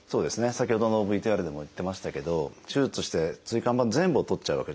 先ほどのＶＴＲでも言ってましたけど手術して椎間板全部を取っちゃうわけじゃないわけですね。